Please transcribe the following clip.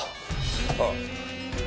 ああ。